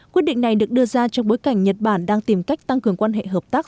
quyết định này được đưa ra trong bối cảnh nhật bản đang tìm cách tăng cường quan hệ hợp tác